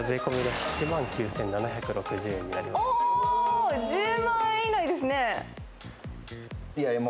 おー、１０万円以内ですね。